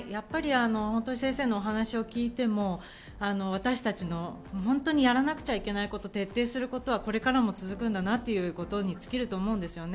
先生のお話を聞いても私たちの本当にやらなくちゃいけないこと、徹底することはこれからも続くんだなということに尽きると思うんですね。